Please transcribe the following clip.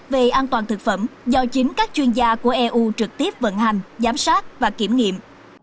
về an toàn thực phẩm do chính các chuyên gia của eu trực tiếp vận hành giám sát và kiểm nghiệm